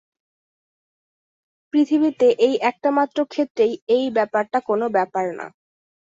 পৃথিবীতে এই একটামাত্র ক্ষেত্রেই এই ব্যাপারটা কোনো ব্যাপার না।